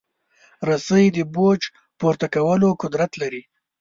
رسۍ د بوج پورته کولو قدرت لري.